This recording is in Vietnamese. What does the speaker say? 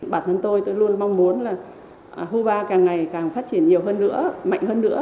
bản thân tôi tôi luôn mong muốn là cuba càng ngày càng phát triển nhiều hơn nữa mạnh hơn nữa